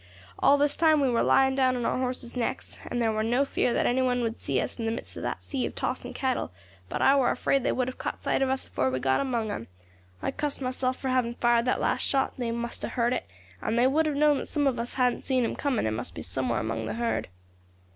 All this time we war lying down on our horses' necks, and there war no fear that any one would see us in the midst of that sea of tossing cattle; but I war afraid they would have caught sight of us afore we got among 'em. I cussed myself for having fired that last shot; they must have heard it, and would have known that some of us hadn't seen them coming, and must be somewhere among the herd.